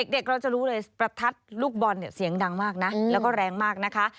เด็กเราจะรู้เลยประทัดลูกบอลเนี่ยเสียงดังมากนะแล้วก็แรงมากนะคะ